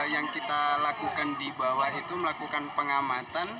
yang kita lakukan di bawah itu melakukan pengamatan